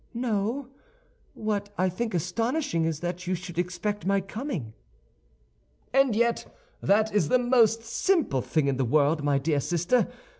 "No; what I think astonishing is that you should expect my coming." "And yet that is the most simple thing in the world, my dear sister.